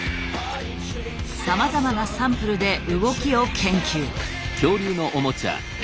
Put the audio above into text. さまざまなサンプルで動きを研究。